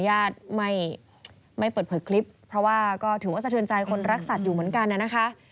หลักสัตว์อยู่ไม่เปิดเพราะว่าก็ถึงที่ดูเฉินใจคนรักสัตว์อยู่เหมือนกันเลยนะคะ